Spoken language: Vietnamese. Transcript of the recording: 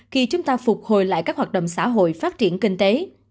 khi chúng ta phục hồi lại các hoạt động xã hội phát triển kinh tế